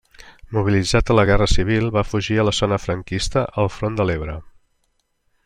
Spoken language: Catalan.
Mobilitzat a la guerra civil, va fugir a la zona franquista al front de l'Ebre.